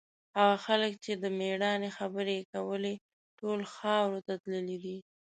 هغه خلک چې د مېړانې خبرې یې کولې، ټول خاورو ته تللي دي.